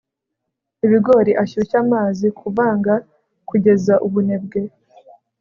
ibigori, ashyushye amazi. kuvanga kugeza ubunebwe